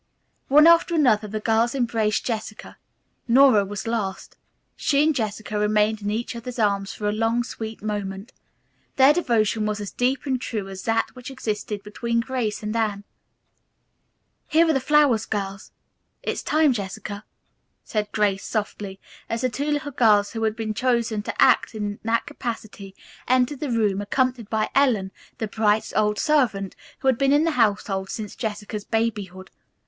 One after another the girls embraced Jessica. Nora was last. She and Jessica remained in each other's arms for a long, sweet moment. Their devotion was as deep and true as that which existed between Grace and Anne. "Here are the flower girls. It's time, Jessica," said Grace softly, as the two little girls who had been chosen to act in that capacity entered the room accompanied by Ellen, the Brights' old servant, who had been in the household since Jessica's babyhood.